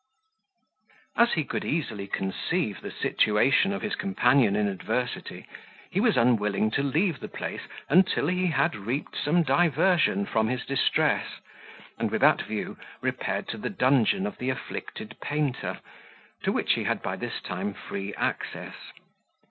As he could easily conceive the situation of his companion in adversity, he was unwilling to leave the place until he had reaped some diversion from his distress, and with that view repaired to the dungeon of the afflicted painter, to which he had by this time free access.